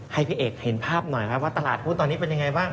ให้พี่เอกเห็นภาพหน่อยครับว่าตลาดหุ้นตอนนี้เป็นยังไงบ้าง